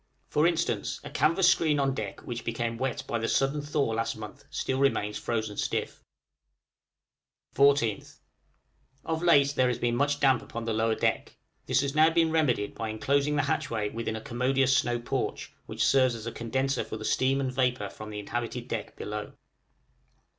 For instance, a canvas screen on deck which became wet by the sudden thaw last month still remains frozen stiff. {THE AURORA.} 14th. Of late there has been much damp upon the lower deck. This has now been remedied by enclosing the hatchway within a commodious snow porch, which serves as a condenser for the steam and vapor from the inhabited deck below.